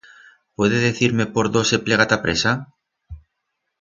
Puede decir-me por dó se plega t'a presa?